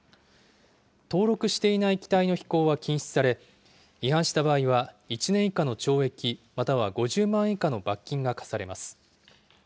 登録していない機体の飛行は禁止され、違反した場合は、１年以下の懲役または５０万円以下の罰金が科されます。